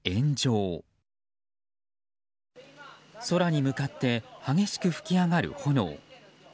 空に向かって激しく噴き上がる炎。